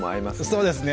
そうですね